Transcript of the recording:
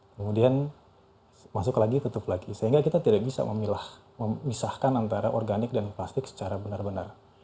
kemudian masuk lagi tutup lagi sehingga kita tidak bisa memisahkan antara organik dan plastik secara benar benar